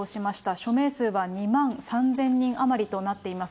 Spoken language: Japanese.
署名数は２万３０００人余りとなっています。